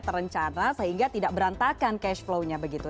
terencana sehingga tidak berantakan cash flow nya begitu